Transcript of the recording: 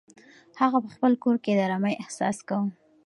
هغه په خپل کور کې د ارامۍ احساس کاوه.